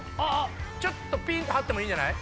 ちょっとピンと張ってもいいんじゃない？